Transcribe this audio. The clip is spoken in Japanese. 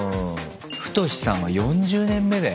ふとしさんは４０年目だよ。